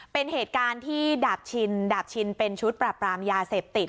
เป็นเหตุการณ์ที่ดาบชินดาบชินเป็นชุดปรับปรามยาเสพติด